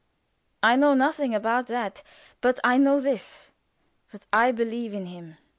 I know nothing about that, but I know this that I believe in him.